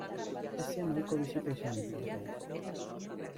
Ez zen ohiko bisita izan ordea.